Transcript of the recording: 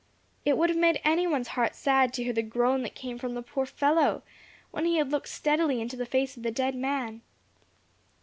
It would have made any one's heart sad to hear the groan that came from the poor fellow, when he had looked steadily into the face of the dead man.